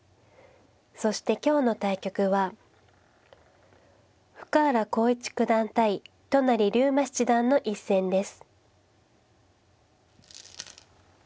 そして今日の対局は深浦康市九段対都成竜馬七段の一戦です。